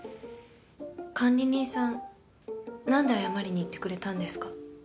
管理人さんなんで謝りに行ってくれたんですか？